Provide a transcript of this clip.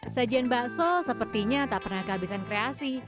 sajian bakso sepertinya tak pernah kehabisan kreasi